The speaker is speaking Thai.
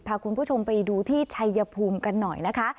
พาคุณผู้ชมไปดูที่ชัยภูมิกันหน่อยนะคะ